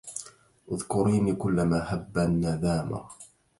اذكريني كلما هب الندامى